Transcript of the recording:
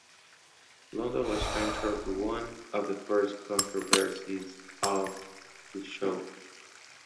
London was central to one of the first controversies of the show.